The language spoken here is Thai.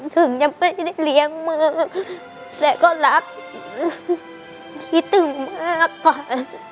ถึงจะไม่ได้เลี้ยงมือและก็รักคิดถึงมากกว่า